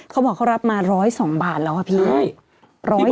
เขาบอกเค้ารับมา๑๐๒บาทห้าพี่